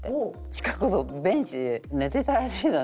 近くのベンチで寝てたらしいのね。